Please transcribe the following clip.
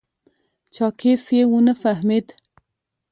چاکېس یې و نه فهمېد.